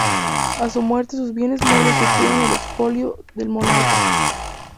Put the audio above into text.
A su muerte sus bienes muebles sufrieron el expolio del monarca.